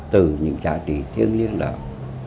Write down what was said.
từ những giá trị thiếu liên lạc